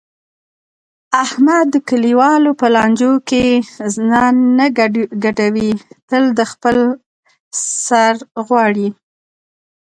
احمد د کلیوالو په لانجو کې ځان نه ګډوي تل د خپل سر غواړي.